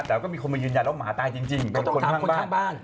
แต่ก็มีคนมายืนยันว่าหมาตายจริงถามคนข้างบ้าน